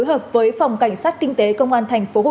cơ quan cảnh sát điều tra công an tỉnh